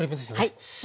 はい。